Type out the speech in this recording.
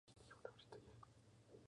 Puede ser activada por calor o luz.